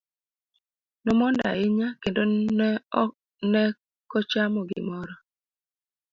Nomondo ahinya kendo ne ko ochamo gimoro.